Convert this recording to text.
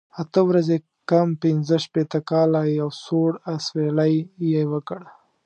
اته ورځې کم پنځه شپېته کاله، یو سوړ اسویلی یې وکړ.